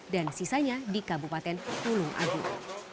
dan sisanya di kabupaten tulung agung